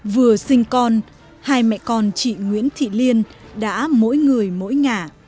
vừa sinh con hai mẹ con chị nguyễn thị liên đã mỗi người mỗi ngả